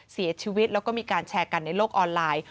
เสียชีวิตแล้วก็มีการแชร์กันในโลกออนไลน์